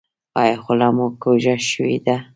ایا خوله مو کوږه شوې ده؟